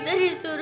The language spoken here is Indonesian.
kami selalu ingori